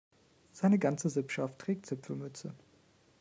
Seine ganze Sippschaft trägt Zipfelmütze.